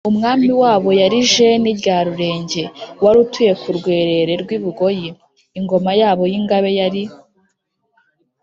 umwami wabo yari jeni rya rurenge, wari utuye ku rwerere rw’ibugoyi. ingoma yabo y’ingabe yari